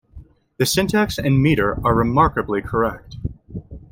The syntax and metre are remarkably correct.